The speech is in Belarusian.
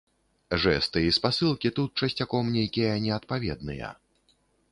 Жэсты і спасылкі тут часцяком нейкія неадпаведныя.